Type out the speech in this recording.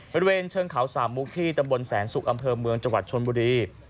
บริเวณเชิงเขาสามมุกที่ตำบลแสนสุกอำเภอเมืองจังหวัดชนบุรี